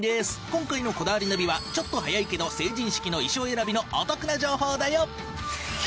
今回の『こだわりナビ』はちょっと早いけど成人式の衣装選びのお得な情報だよ。